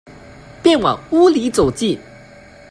便往屋裡走進